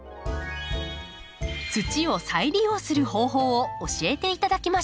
土を再利用する方法を教えていただきましょう。